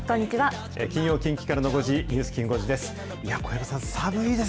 金曜、近畿からの５時、ニュースきん５時です。